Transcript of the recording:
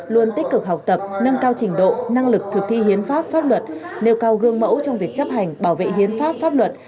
luôn tích cực học tập nâng cao trình độ năng lực thực thi hiến pháp pháp luật nêu cao gương mẫu trong việc chấp hành bảo vệ hiến pháp pháp luật